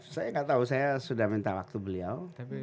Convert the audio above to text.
saya gak tau saya sudah minta waktu beliau